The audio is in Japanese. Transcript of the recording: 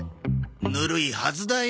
ぬるいはずだよ。